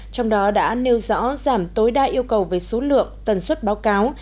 trong đó đã nêu rõ giảm tối đa yêu cầu về số lượng tần suất báo cáo